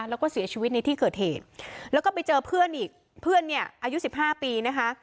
แล้วก็เสียชีวิตในที่เกิดเหตุแล้วก็ไปเจอเพื่อนอายุ๑๕ปีนะคะ